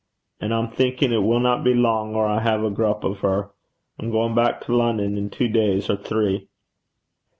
An' I'm thinkin' it winna be lang or I hae a grup o' her. I'm gaein' back to Lonnon in twa days or three.'